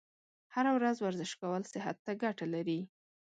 هره ورځ ورزش کول صحت ته ګټه لري.